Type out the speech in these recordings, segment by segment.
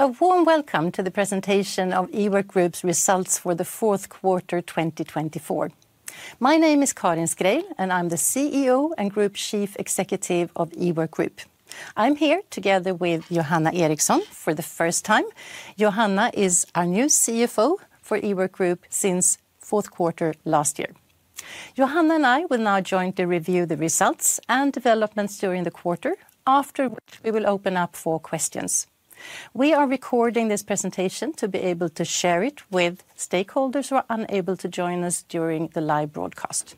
A warm welcome to the presentation of Ework Group's results for the Q4 2024. My name is Karin Schreil, and I'm the CEO and Group Chief Executive of Ework Group. I'm here together with Johanna Eriksson for the first time. Johanna is our new CFO for Ework Group since Q4 last year. Johanna and I will now jointly review the results and developments during the quarter, after which we will open up for questions. We are recording this presentation to be able to share it with stakeholders who are unable to join us during the live broadcast.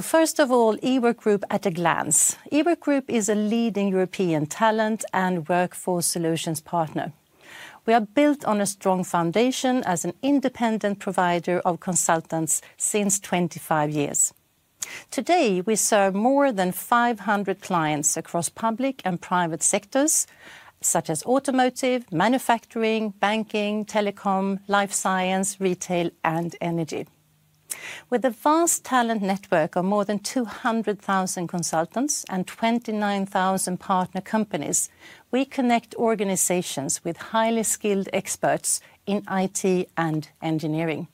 First of all, Ework Group at a glance. Ework Group is a leading European talent and workforce solutions partner. We are built on a strong foundation as an independent provider of consultants since 25 years. Today, we serve more than 500 clients across public and private sectors such as automotive, manufacturing, banking, telecom, life science, retail, and energy. With a vast talent network of more than 200,000 consultants and 29,000 partner companies, we connect organizations with highly skilled experts in IT and engineering.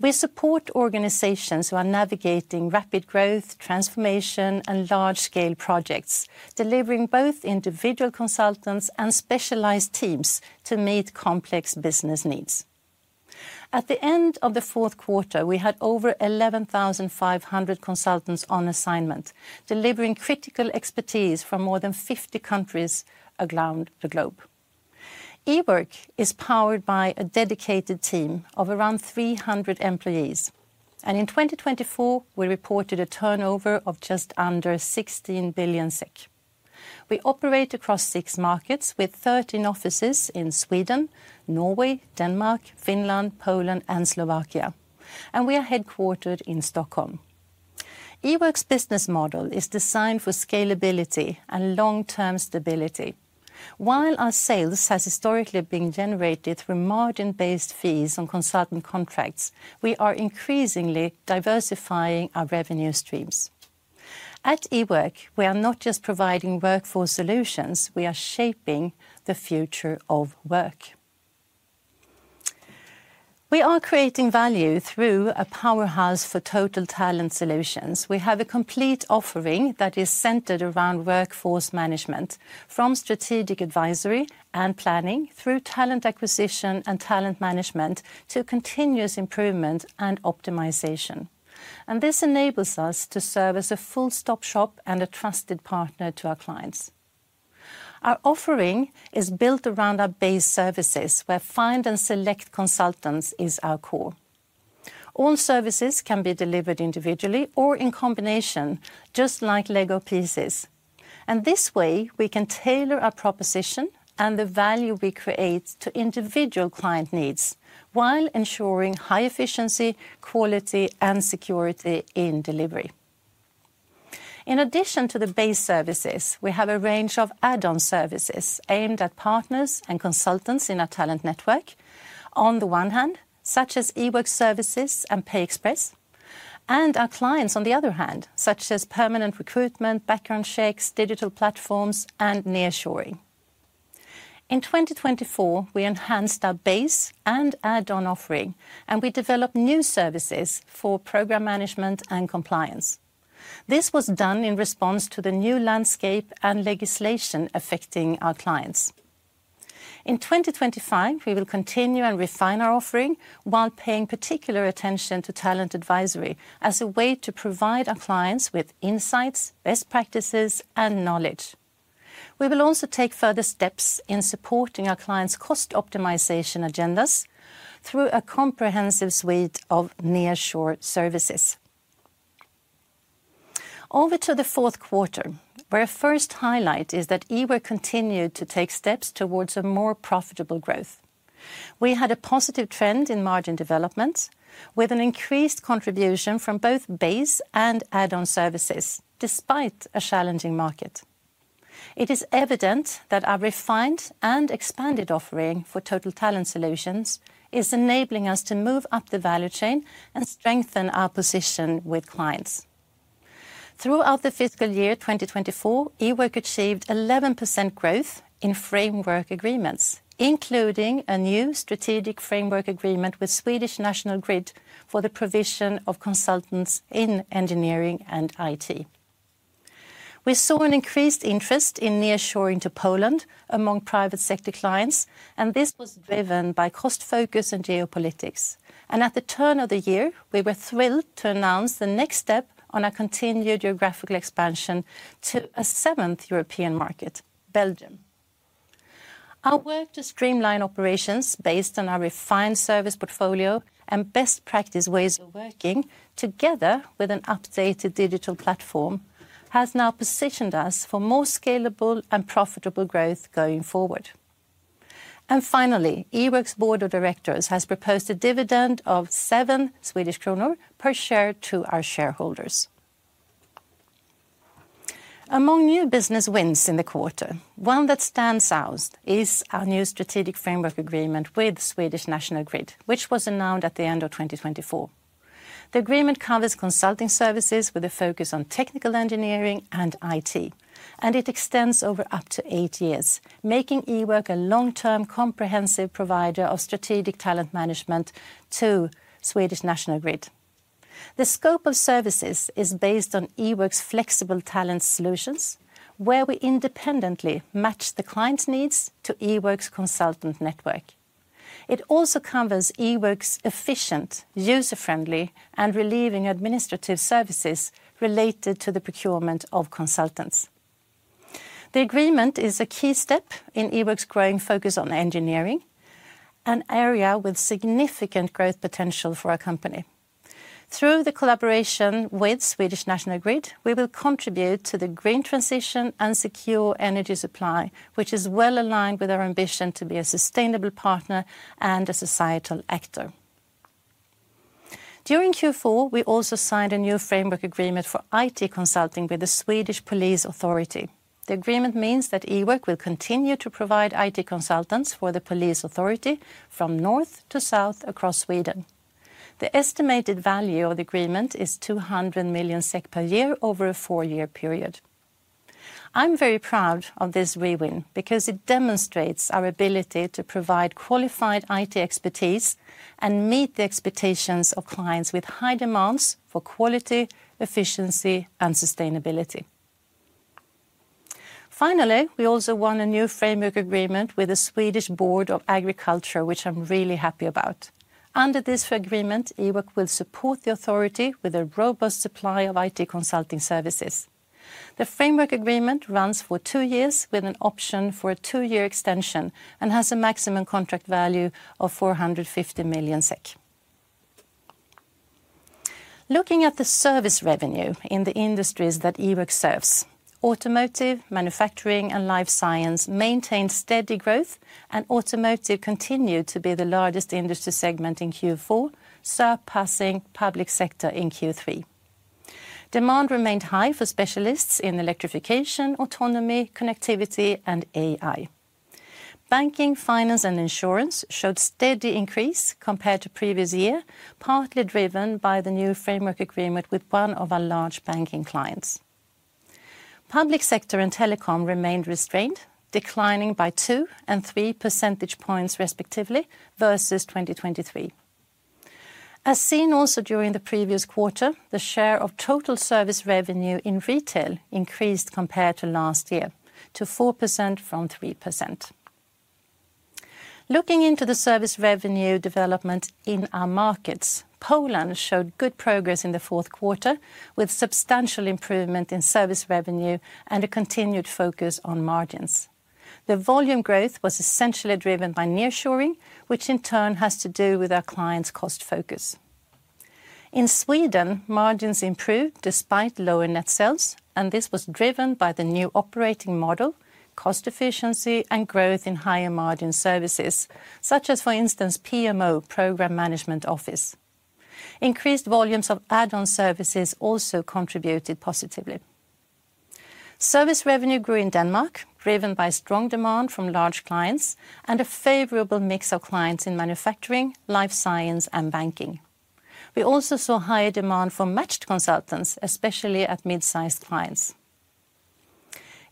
We support organizations who are navigating rapid growth, transformation, and large-scale projects, delivering both individual consultants and specialized teams to meet complex business needs. At the end of the Q4, we had over 11,500 consultants on assignment, delivering critical expertise from more than 50 countries around the globe. Ework is powered by a dedicated team of around 300 employees, and in 2024, we reported a turnover of just under 16 billion SEK. We operate across six markets with 13 offices in Sweden, Norway, Denmark, Finland, Poland, and Slovakia, and we are headquartered in Stockholm. Ework's business model is designed for scalability and long-term stability. While our sales have historically been generated through margin-based fees on consultant contracts, we are increasingly diversifying our revenue streams. At Ework, we are not just providing workforce solutions; we are shaping the future of work. We are creating value through a powerhouse for total talent solutions. We have a complete offering that is centered around workforce management, from strategic advisory and planning through talent acquisition and talent management to continuous improvement and optimization. This enables us to serve as a full-stop shop and a trusted partner to our clients. Our offering is built around our base services, where find and select consultants is our core. All services can be delivered individually or in combination, just like Lego pieces. This way, we can tailor our proposition and the value we create to individual client needs while ensuring high efficiency, quality, and security in delivery. In addition to the base services, we have a range of add-on services aimed at partners and consultants in our talent network, on the one hand, such as Ework Services and PayExpress, and our clients on the other hand, such as permanent recruitment, background checks, digital platforms, and nearshoring. In 2024, we enhanced our base and add-on offering, and we developed new services for program management and compliance. This was done in response to the new landscape and legislation affecting our clients. In 2025, we will continue and refine our offering while paying particular attention to talent advisory as a way to provide our clients with insights, best practices, and knowledge. We will also take further steps in supporting our clients' cost optimization agendas through a comprehensive suite of nearshoring services. Over to the Q4, where a first highlight is that Ework continued to take steps towards a more profitable growth. We had a positive trend in margin development with an increased contribution from both base and add-on services, despite a challenging market. It is evident that our refined and expanded offering for total talent solutions is enabling us to move up the value chain and strengthen our position with clients. Throughout the fiscal year 2024, Ework achieved 11% growth in framework agreements, including a new strategic framework agreement with Swedish National Grid for the provision of consultants in engineering and IT. We saw an increased interest in nearshoring to Poland among private sector clients, and this was driven by cost focus and geopolitics. At the turn of the year, we were thrilled to announce the next step on our continued geographical expansion to a seventh European market, Belgium. Our work to streamline operations based on our refined service portfolio and best practice ways of working, together with an updated digital platform, has now positioned us for more scalable and profitable growth going forward. Finally, Ework's board of directors has proposed a dividend of 7 Swedish kronor per share to our shareholders. Among new business wins in the quarter, one that stands out is our new strategic framework agreement with Swedish National Grid, which was announced at the end of 2024. The agreement covers consulting services with a focus on technical engineering and IT, and it extends over up to eight years, making Ework a long-term comprehensive provider of strategic talent management to Swedish National Grid. The scope of services is based on Ework's flexible talent solutions, where we independently match the client's needs to Ework's consultant network. It also covers Ework's efficient, user-friendly, and relieving administrative services related to the procurement of consultants. The agreement is a key step in Ework's growing focus on engineering, an area with significant growth potential for our company. Through the collaboration with Swedish National Grid, we will contribute to the green transition and secure energy supply, which is well aligned with our ambition to be a sustainable partner and a societal actor. During Q4, we also signed a new framework agreement for IT consulting with the Swedish Police Authority. The agreement means that Ework will continue to provide IT consultants for the Police Authority from north to south across Sweden. The estimated value of the agreement is 200 million SEK per year over a four-year period. I'm very proud of this re-win because it demonstrates our ability to provide qualified IT expertise and meet the expectations of clients with high demands for quality, efficiency, and sustainability. Finally, we also won a new framework agreement with the Swedish Board of Agriculture, which I'm really happy about. Under this agreement, Ework will support the authority with a robust supply of IT consulting services. The framework agreement runs for two years with an option for a two-year extension and has a maximum contract value of 450 million SEK. Looking at the service revenue in the industries that Ework serves, automotive, manufacturing, and life science maintained steady growth, and automotive continued to be the largest industry segment in Q4, surpassing public sector in Q3. Demand remained high for specialists in electrification, autonomy, connectivity, and AI. Banking, finance, and insurance showed steady increase compared to the previous year, partly driven by the new framework agreement with one of our large banking clients. Public sector and telecom remained restrained, declining by 2 and 3 percentage points respectively versus 2023. As seen also during the previous quarter, the share of total service revenue in retail increased compared to last year to 4% from 3%. Looking into the service revenue development in our markets, Poland showed good progress in the Q4 with substantial improvement in service revenue and a continued focus on margins. The volume growth was essentially driven by nearshoring, which in turn has to do with our clients' cost focus. In Sweden, margins improved despite lower net sales, and this was driven by the new operating model, cost efficiency, and growth in higher margin services, such as, for instance, PMO, Program Management Office. Increased volumes of add-on services also contributed positively. Service revenue grew in Denmark, driven by strong demand from large clients and a favorable mix of clients in manufacturing, life science, and banking. We also saw higher demand for matched consultants, especially at mid-sized clients.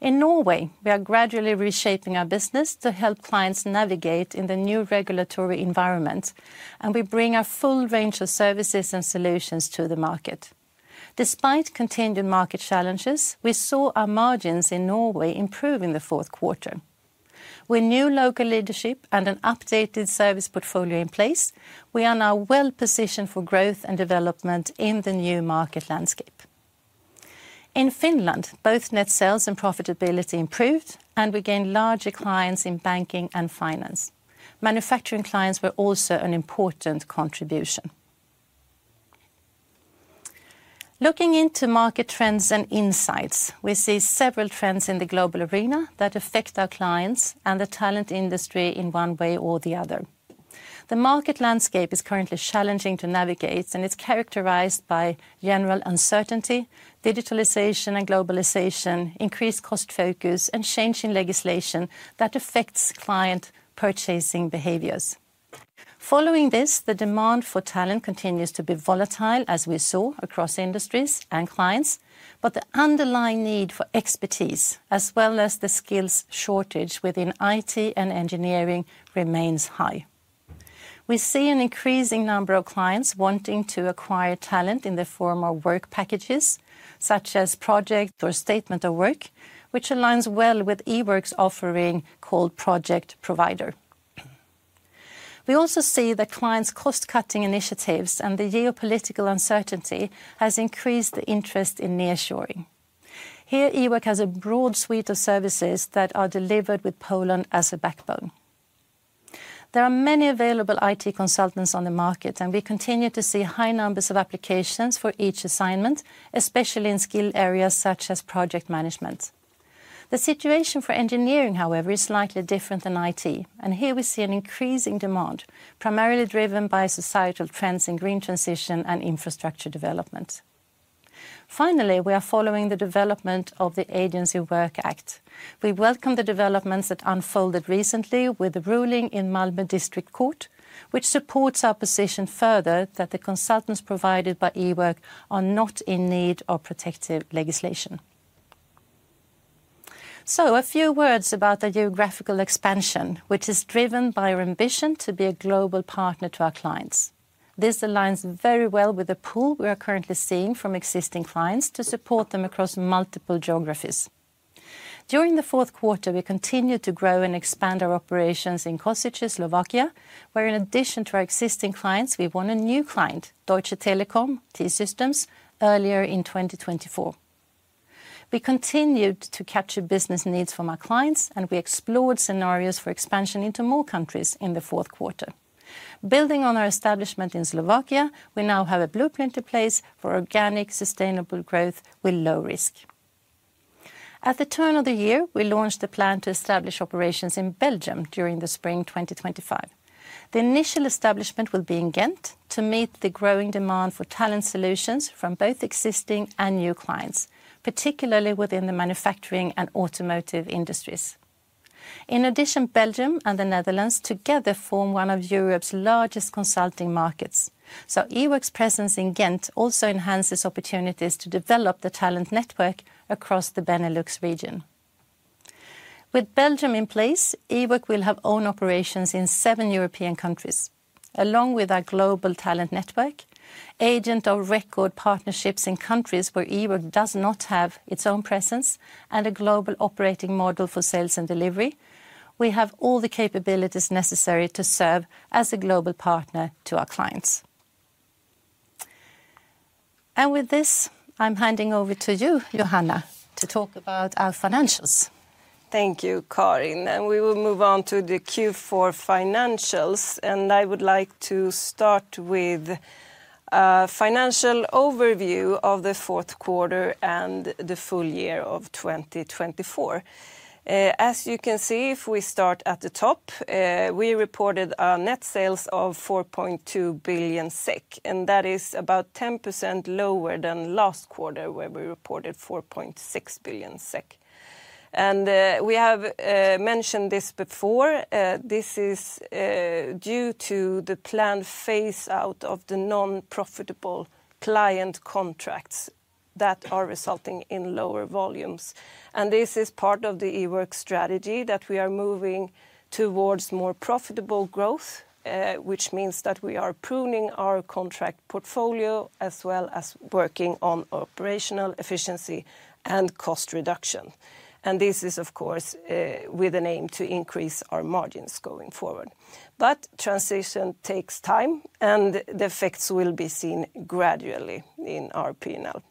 In Norway, we are gradually reshaping our business to help clients navigate in the new regulatory environment, and we bring our full range of services and solutions to the market. Despite continued market challenges, we saw our margins in Norway improve in the Q4. With new local leadership and an updated service portfolio in place, we are now well positioned for growth and development in the new market landscape. In Finland, both net sales and profitability improved, and we gained larger clients in banking and finance. Manufacturing clients were also an important contribution. Looking into market trends and insights, we see several trends in the global arena that affect our clients and the talent industry in one way or the other. The market landscape is currently challenging to navigate, and it's characterized by general uncertainty, digitalization and globalization, increased cost focus, and changing legislation that affects client purchasing behaviors. Following this, the demand for talent continues to be volatile, as we saw across industries and clients, but the underlying need for expertise, as well as the skills shortage within IT and engineering, remains high. We see an increasing number of clients wanting to acquire talent in the form of work packages, such as project or statement of work, which aligns well with Ework's offering called Project Provider. We also see that clients' cost-cutting initiatives and the geopolitical uncertainty have increased the interest in nearshoring. Here, Ework has a broad suite of services that are delivered with Poland as a backbone. There are many available IT consultants on the market, and we continue to see high numbers of applications for each assignment, especially in skilled areas such as project management. The situation for engineering, however, is slightly different than IT, and here we see an increasing demand, primarily driven by societal trends in green transition and infrastructure development. We are following the development of the Agency Work Act. We welcome the developments that unfolded recently with the ruling in Malmö District Court, which supports our position further that the consultants provided by Ework are not in need of protective legislation. A few words about the geographical expansion, which is driven by our ambition to be a global partner to our clients. This aligns very well with the pool we are currently seeing from existing clients to support them across multiple geographies. During the Q4, we continued to grow and expand our operations in Kosice, Slovakia, where, in addition to our existing clients, we won a new client, Deutsche Telekom T-Systems, earlier in 2024. We continued to capture business needs from our clients, and we explored scenarios for expansion into more countries in the Q4. Building on our establishment in Slovakia, we now have a blueprint in place for organic, sustainable growth with low risk. At the turn of the year, we launched a plan to establish operations in Belgium during the spring 2025. The initial establishment will be in Ghent to meet the growing demand for talent solutions from both existing and new clients, particularly within the manufacturing and automotive industries. In addition, Belgium and the Netherlands together form one of Europe's largest consulting markets, so Ework's presence in Ghent also enhances opportunities to develop the talent network across the Benelux region. With Belgium in place, Ework will have own operations in seven European countries. Along with our global talent network, agent of record partnerships in countries where Ework does not have its own presence, and a global operating model for sales and delivery, we have all the capabilities necessary to serve as a global partner to our clients. I am handing over to you, Johanna, to talk about our financials. Thank you, Karin. We will move on to the Q4 financials. I would like to start with a financial overview of the Q4 and the full year of 2024. As you can see, if we start at the top, we reported a net sales of 4.2 billion SEK, and that is about 10% lower than last quarter, where we reported 4.6 billion SEK. We have mentioned this before. This is due to the planned phase-out of the non-profitable client contracts that are resulting in lower volumes. This is part of the Ework strategy that we are moving towards more profitable growth, which means that we are pruning our contract portfolio as well as working on operational efficiency and cost reduction. This is, of course, with an aim to increase our margins going forward. Transition takes time, and the effects will be seen gradually in our P&L.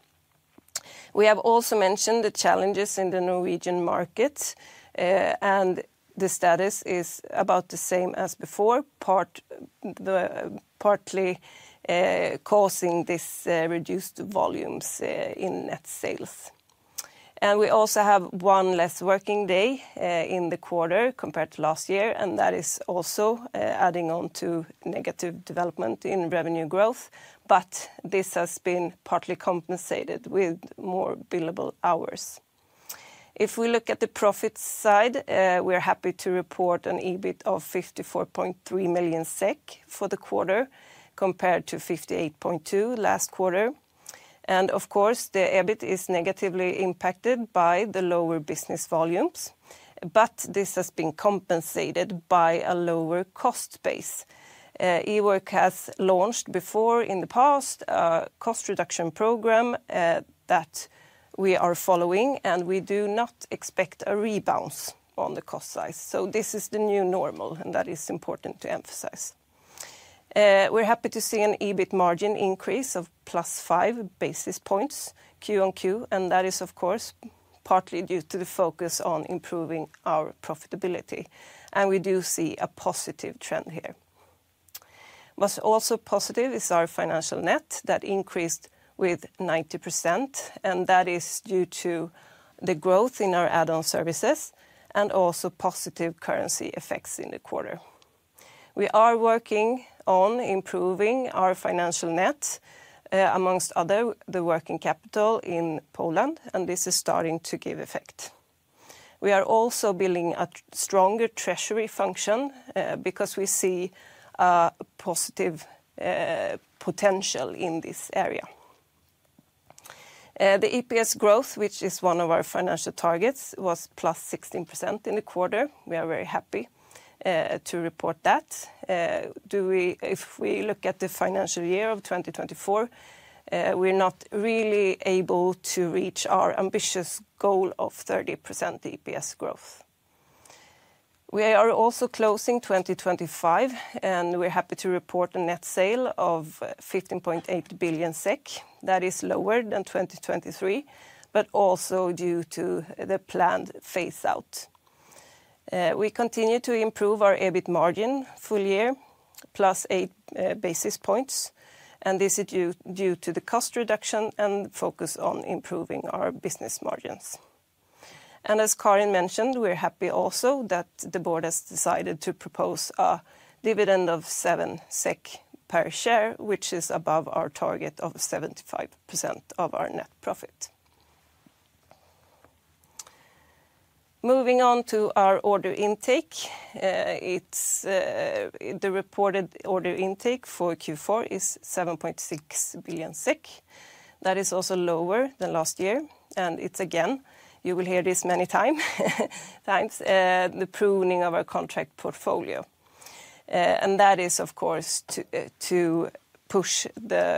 We have also mentioned the challenges in the Norwegian market, and the status is about the same as before, partly causing these reduced volumes in net sales. We also have one less working day in the quarter compared to last year, and that is also adding on to negative development in revenue growth. This has been partly compensated with more billable hours. If we look at the profit side, we are happy to report an EBIT of 54.3 million SEK for the quarter compared to 58.2 million last quarter. Of course, the EBIT is negatively impacted by the lower business volumes, but this has been compensated by a lower cost base. Ework has launched before in the past a cost reduction program that we are following, and we do not expect a rebounce on the cost side. This is the new normal, and that is important to emphasize. We're happy to see an EBIT margin increase of plus five basis points Q-on-Q, and that is, of course, partly due to the focus on improving our profitability. We do see a positive trend here. What's also positive is our financial net that increased with 90%, and that is due to the growth in our add-on services and also positive currency effects in the quarter. We are working on improving our financial net, amongst other things, the working capital in Poland, and this is starting to give effect. We are also building a stronger treasury function because we see a positive potential in this area. The EPS growth, which is one of our financial targets, was plus 16% in the quarter. We are very happy to report that. If we look at the financial year of 2024, we're not really able to reach our ambitious goal of 30% EPS growth. We are also closing 2025, and we're happy to report a net sale of 15.8 billion SEK. That is lower than 2023, but also due to the planned phase-out. We continue to improve our EBIT margin full year, plus eight basis points, and this is due to the cost reduction and focus on improving our business margins. As Karin mentioned, we're happy also that the board has decided to propose a dividend of 7 SEK per share, which is above our target of 75% of our net profit. Moving on to our order intake, the reported order intake for Q4 is 7.6 billion SEK. That is also lower than last year. It's again, you will hear this many times, the pruning of our contract portfolio. That is, of course, to push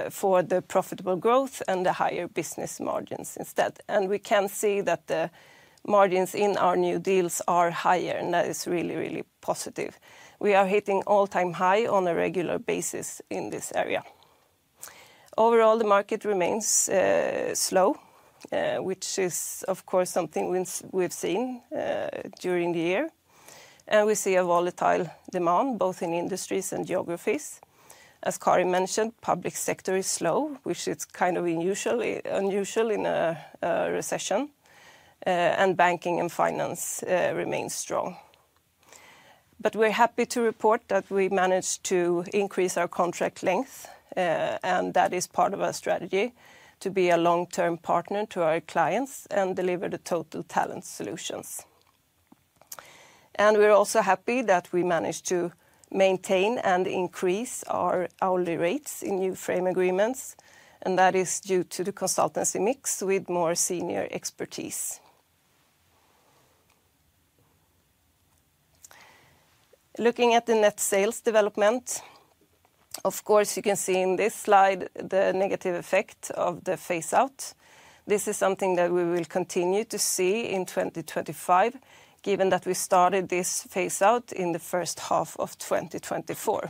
for the profitable growth and the higher business margins instead. We can see that the margins in our new deals are higher, and that is really, really positive. We are hitting all-time high on a regular basis in this area. Overall, the market remains slow, which is, of course, something we've seen during the year. We see a volatile demand both in industries and geographies. As Karin mentioned, public sector is slow, which is kind of unusual in a recession, and banking and finance remain strong. We're happy to report that we managed to increase our contract length, and that is part of our strategy to be a long-term partner to our clients and deliver the total talent solutions. We are also happy that we managed to maintain and increase our hourly rates in new frame agreements, and that is due to the consultancy mix with more senior expertise. Looking at the net sales development, you can see in this slide the negative effect of the phase-out. This is something that we will continue to see in 2025, given that we started this phase-out in the first half of 2024.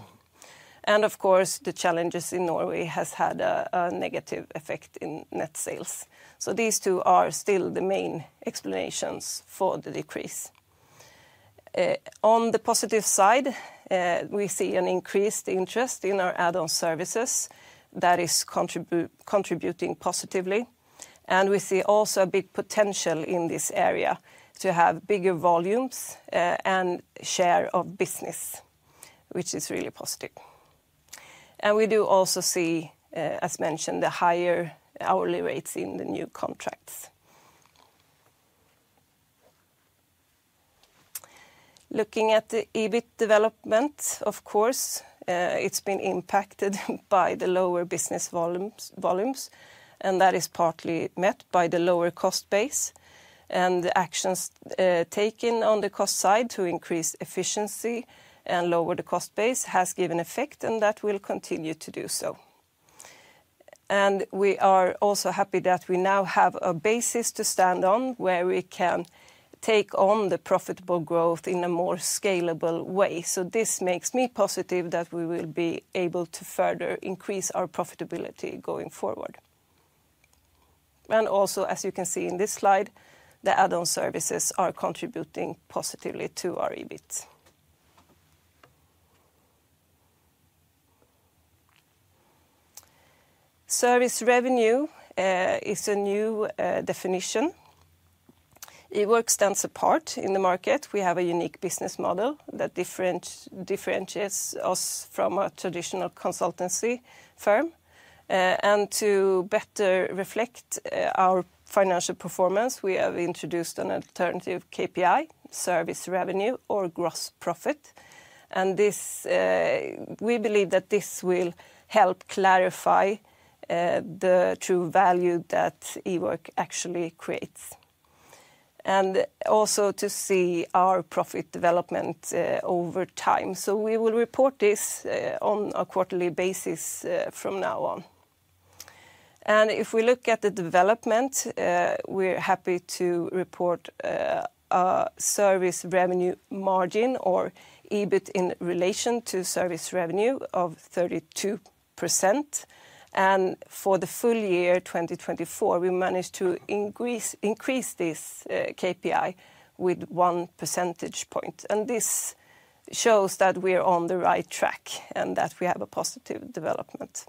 The challenges in Norway have had a negative effect in net sales. These two are still the main explanations for the decrease. On the positive side, we see an increased interest in our add-on services that is contributing positively. We also see a big potential in this area to have bigger volumes and share of business, which is really positive. We do also see, as mentioned, the higher hourly rates in the new contracts. Looking at the EBIT development, of course, it has been impacted by the lower business volumes, and that is partly met by the lower cost base. The actions taken on the cost side to increase efficiency and lower the cost base have given effect, and that will continue to do so. We are also happy that we now have a basis to stand on where we can take on the profitable growth in a more scalable way. This makes me positive that we will be able to further increase our profitability going forward. Also, as you can see in this slide, the add-on services are contributing positively to our EBIT. Service revenue is a new definition. Ework stands apart in the market. We have a unique business model that differentiates us from a traditional consultancy firm. To better reflect our financial performance, we have introduced an alternative KPI, service revenue or gross profit. We believe that this will help clarify the true value that Ework actually creates and also to see our profit development over time. We will report this on a quarterly basis from now on. If we look at the development, we're happy to report a service revenue margin or EBIT in relation to service revenue of 32%. For the full year 2024, we managed to increase this KPI with one percentage point. This shows that we are on the right track and that we have a positive development.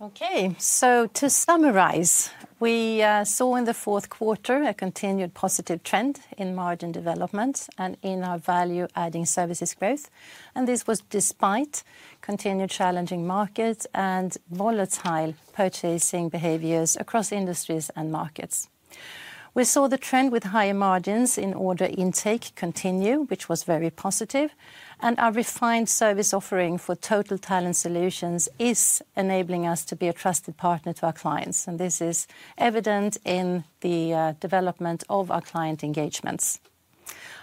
To summarize, we saw in the Q4 a continued positive trend in margin development and in our value-adding services growth. This was despite continued challenging markets and volatile purchasing behaviors across industries and markets. We saw the trend with higher margins in order intake continue, which was very positive. Our refined service offering for total talent solutions is enabling us to be a trusted partner to our clients. This is evident in the development of our client engagements.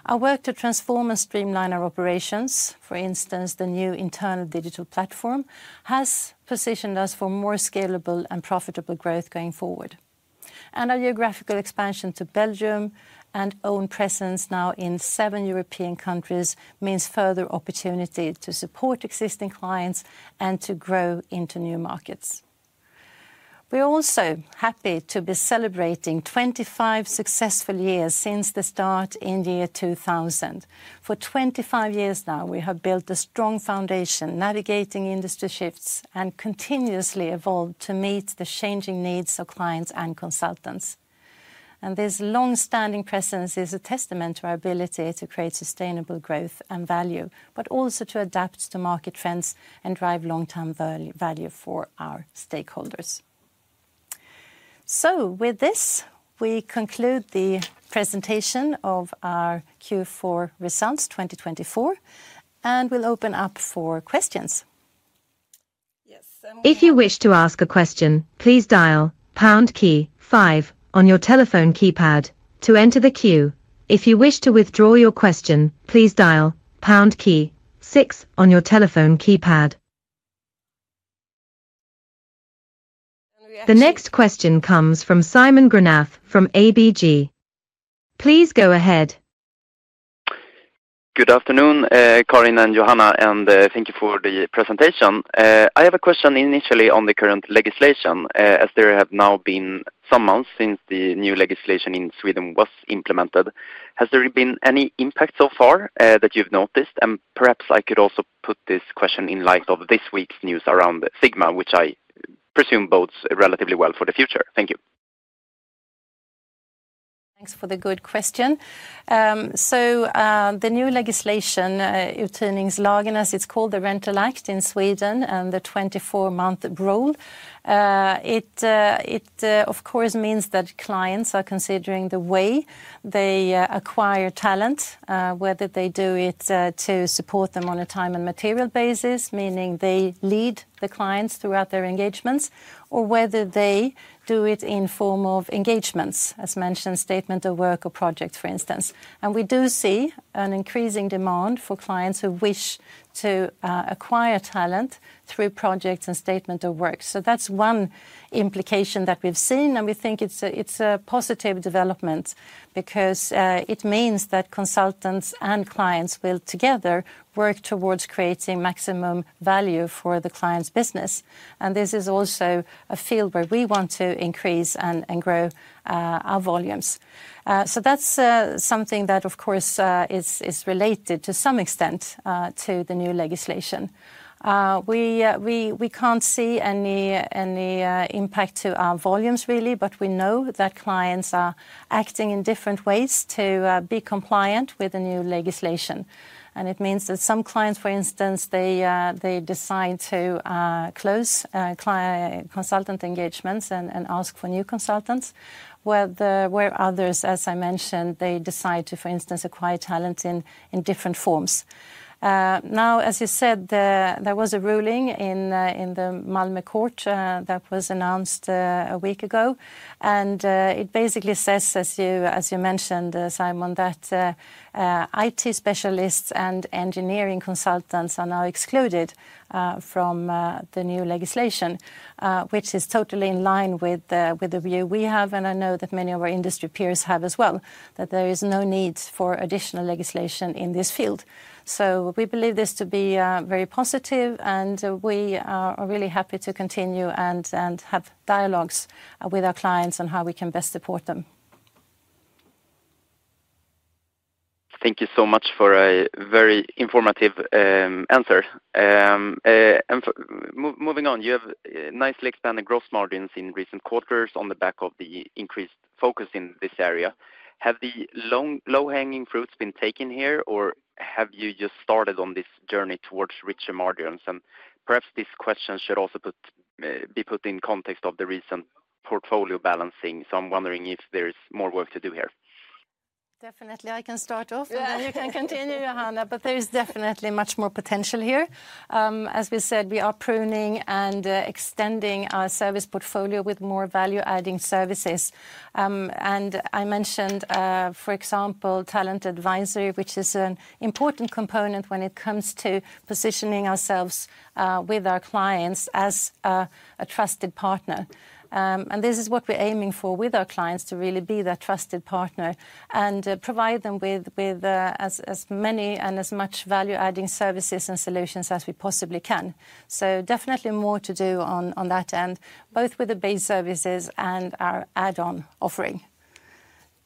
Our work to transform and streamline our operations, for instance, the new internal digital platform, has positioned us for more scalable and profitable growth going forward. Our geographical expansion to Belgium and own presence now in seven European countries means further opportunity to support existing clients and to grow into new markets. We are also happy to be celebrating 25 successful years since the start in the year 2000. For 25 years now, we have built a strong foundation, navigating industry shifts and continuously evolved to meet the changing needs of clients and consultants. This long-standing presence is a testament to our ability to create sustainable growth and value, but also to adapt to market trends and drive long-term value for our stakeholders. With this, we conclude the presentation of our Q4 results 2024, and we'll open up for questions. If you wish to ask a question, please dial pound key five on your telephone keypad to enter the queue. If you wish to withdraw your question, please dial pound key six on your telephone keypad. The next question comes from Simon Granath from ABG. Please go ahead. Good afternoon, Karin and Johanna, and thank you for the presentation. I have a question initially on the current legislation. As there have now been some months since the new legislation in Sweden was implemented, has there been any impact so far that you've noticed? Perhaps I could also put this question in light of this week's news around Sigma, which I presume bodes relatively well for the future. Thank you. Thanks for the good question. The new legislation, Uthyrningslagen, as it's called, the Rental Act in Sweden and the 24-month rule, it of course means that clients are considering the way they acquire talent, whether they do it to support them on a time and material basis, meaning they lead the clients throughout their engagements, or whether they do it in form of engagements, as mentioned, statement of work or project, for instance. We do see an increasing demand for clients who wish to acquire talent through projects and statement of work. That is one implication that we've seen, and we think it's a positive development because it means that consultants and clients will together work towards creating maximum value for the client's business. This is also a field where we want to increase and grow our volumes. That is something that, of course, is related to some extent to the new legislation. We can't see any impact to our volumes, really, but we know that clients are acting in different ways to be compliant with the new legislation. It means that some clients, for instance, decide to close consultant engagements and ask for new consultants, where others, as I mentioned, decide to, for instance, acquire talent in different forms. Now, as you said, there was a ruling in the Malmö Court that was announced a week ago, and it basically says, as you mentioned, Simon, that IT specialists and engineering consultants are now excluded from the new legislation, which is totally in line with the view we have, and I know that many of our industry peers have as well, that there is no need for additional legislation in this field. We believe this to be very positive, and we are really happy to continue and have dialogues with our clients on how we can best support them. Thank you so much for a very informative answer. Moving on, you have nicely expanded gross margins in recent quarters on the back of the increased focus in this area. Have the low-hanging fruits been taken here, or have you just started on this journey towards richer margins? Perhaps this question should also be put in context of the recent portfolio balancing. I'm wondering if there's more work to do here. Definitely, I can start off, and then you can continue, Johanna, but there is definitely much more potential here. As we said, we are pruning and extending our service portfolio with more value-adding services. I mentioned, for example, talent advisory, which is an important component when it comes to positioning ourselves with our clients as a trusted partner. This is what we're aiming for with our clients, to really be that trusted partner and provide them with as many and as much value-adding services and solutions as we possibly can. Definitely more to do on that end, both with the base services and our add-on offering.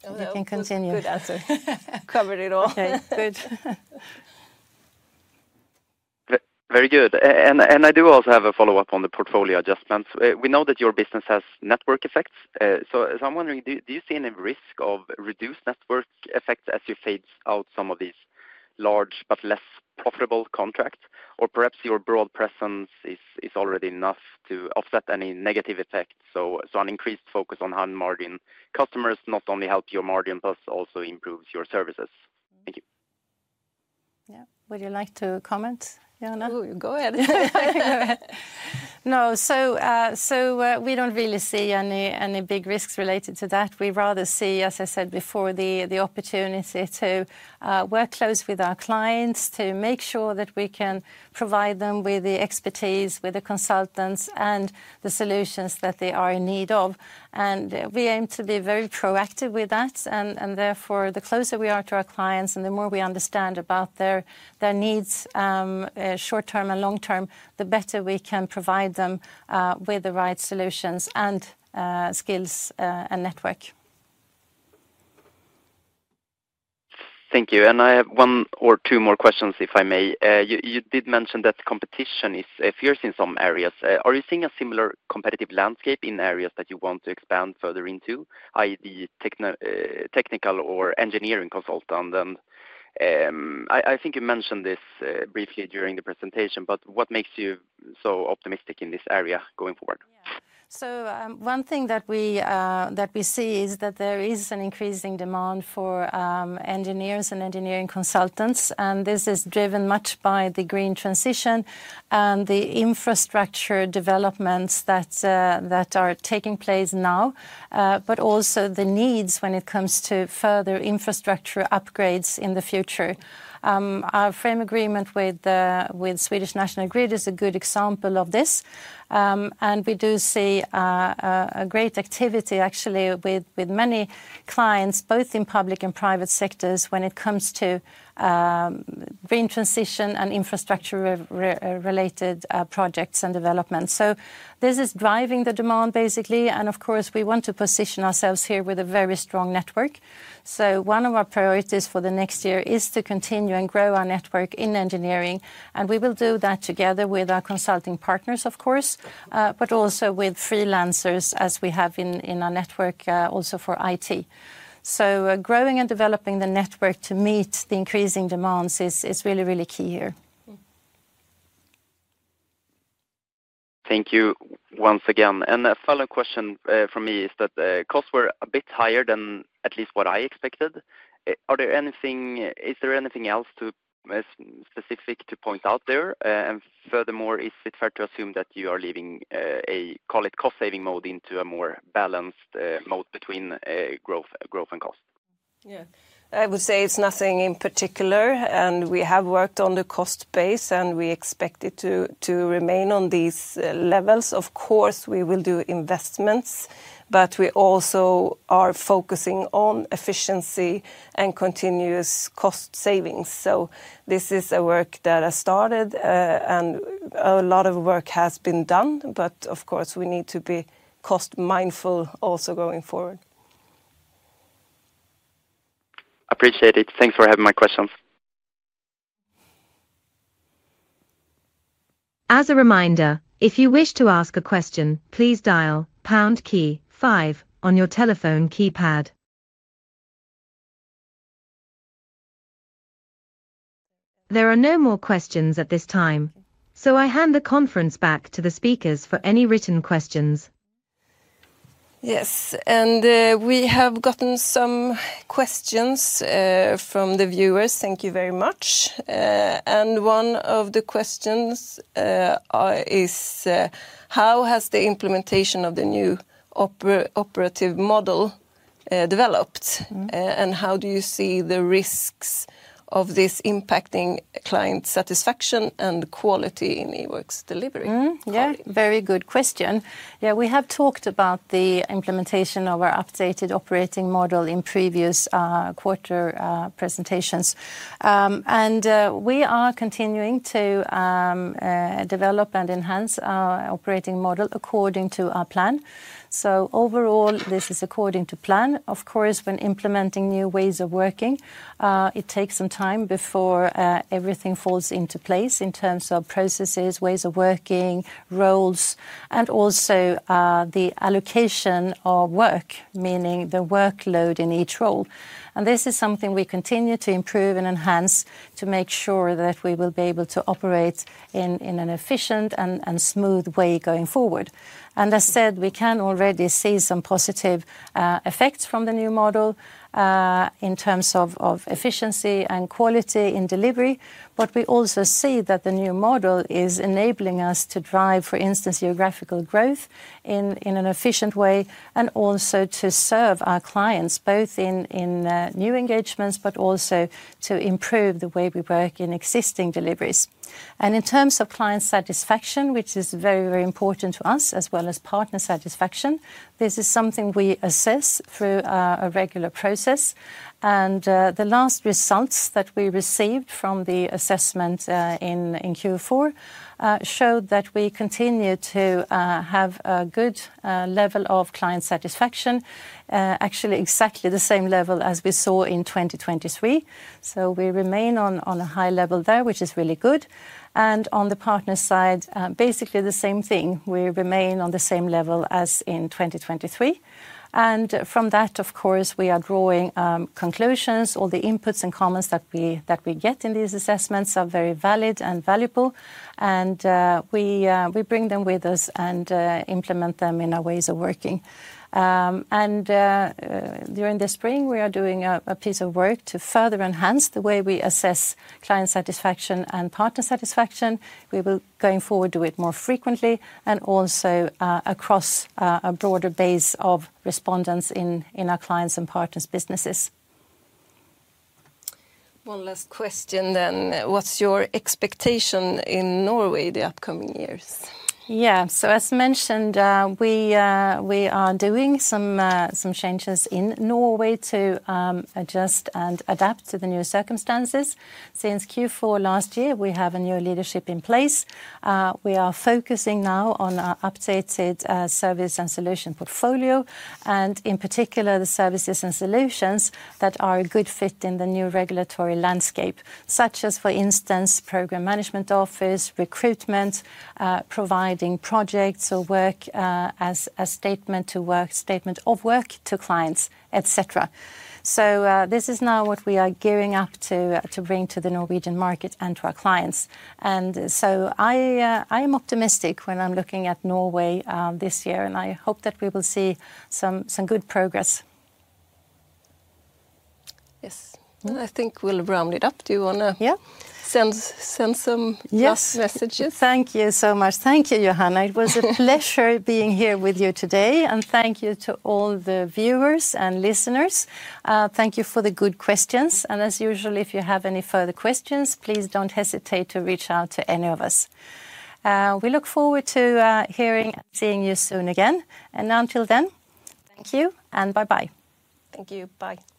You can continue. Good answer. Covered it all. Very good. I do also have a follow-up on the portfolio adjustments. We know that your business has network effects. I am wondering, do you see any risk of reduced network effects as you phase out some of these large but less profitable contracts? Perhaps your broad presence is already enough to offset any negative effects. An increased focus on high margin customers not only helps your margin, but also improves your services. Thank you. Would you like to comment, Johanna? Go ahead. No, we do not really see any big risks related to that. We rather see, as I said before, the opportunity to work close with our clients to make sure that we can provide them with the expertise, with the consultants, and the solutions that they are in need of. We aim to be very proactive with that. Therefore, the closer we are to our clients and the more we understand about their needs short-term and long-term, the better we can provide them with the right solutions and skills and network. Thank you. I have one or two more questions, if I may. You did mention that competition is fierce in some areas. Are you seeing a similar competitive landscape in areas that you want to expand further into, i.e., technical or engineering consultants? I think you mentioned this briefly during the presentation, but what makes you so optimistic in this area going forward? One thing that we see is that there is an increasing demand for engineers and engineering consultants. This is driven much by the green transition and the infrastructure developments that are taking place now, but also the needs when it comes to further infrastructure upgrades in the future. Our frame agreement with Swedish National Grid is a good example of this. We do see a great activity, actually, with many clients, both in public and private sectors, when it comes to green transition and infrastructure-related projects and developments. This is driving the demand, basically. Of course, we want to position ourselves here with a very strong network. One of our priorities for the next year is to continue and grow our network in engineering. We will do that together with our consulting partners, of course, but also with freelancers as we have in our network also for IT. Growing and developing the network to meet the increasing demands is really, really key here. Thank you once again. A follow-up question from me is that costs were a bit higher than at least what I expected. Is there anything else specific to point out there? Furthermore, is it fair to assume that you are leaving a, call it, cost-saving mode into a more balanced mode between growth and cost? Yeah, I would say it's nothing in particular. We have worked on the cost base, and we expect it to remain on these levels. Of course, we will do investments, but we also are focusing on efficiency and continuous cost savings. This is a work that has started, and a lot of work has been done, but of course, we need to be cost-mindful also going forward. Appreciate it. Thanks for having my questions. As a reminder, if you wish to ask a question, please dial pound key five on your telephone keypad. There are no more questions at this time, so I hand the conference back to the speakers for any written questions. Yes, and we have gotten some questions from the viewers. Thank you very much. One of the questions is, how has the implementation of the new operative model developed? How do you see the risks of this impacting client satisfaction and quality in Ework's delivery? Yeah, very good question. Yeah, we have talked about the implementation of our updated operating model in previous quarter presentations. We are continuing to develop and enhance our operating model according to our plan. Overall, this is according to plan. Of course, when implementing new ways of working, it takes some time before everything falls into place in terms of processes, ways of working, roles, and also the allocation of work, meaning the workload in each role. This is something we continue to improve and enhance to make sure that we will be able to operate in an efficient and smooth way going forward. As said, we can already see some positive effects from the new model in terms of efficiency and quality in delivery. We also see that the new model is enabling us to drive, for instance, geographical growth in an efficient way and also to serve our clients both in new engagements, but also to improve the way we work in existing deliveries. In terms of client satisfaction, which is very, very important to us, as well as partner satisfaction, this is something we assess through a regular process. The last results that we received from the assessment in Q4 showed that we continue to have a good level of client satisfaction, actually exactly the same level as we saw in 2023. We remain on a high level there, which is really good. On the partner side, basically the same thing. We remain on the same level as in 2023. From that, of course, we are drawing conclusions. All the inputs and comments that we get in these assessments are very valid and valuable, and we bring them with us and implement them in our ways of working. During the spring, we are doing a piece of work to further enhance the way we assess client satisfaction and partner satisfaction. We will, going forward, do it more frequently and also across a broader base of respondents in our clients' and partners' businesses. One last question then. What's your expectation in Norway the upcoming years? Yeah, as mentioned, we are doing some changes in Norway to adjust and adapt to the new circumstances. Since Q4 last year, we have a new leadership in place. We are focusing now on our updated service and solution portfolio, and in particular, the services and solutions that are a good fit in the new regulatory landscape, such as, for instance, program management office, recruitment, providing projects or work as a statement of work to clients, etc. This is now what we are gearing up to bring to the Norwegian market and to our clients. I am optimistic when I'm looking at Norway this year, and I hope that we will see some good progress. Yes. I think we'll round it up. Do you want to send some messages? Thank you so much. Thank you, Johanna. It was a pleasure being here with you today. Thank you to all the viewers and listeners. Thank you for the good questions. As usual, if you have any further questions, please do not hesitate to reach out to any of us. We look forward to hearing and seeing you soon again. Until then, thank you and bye-bye. Thank you. Bye.